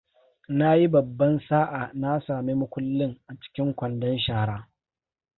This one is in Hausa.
Nayi baban sa'a na sami makullin a cikin kwandon shara.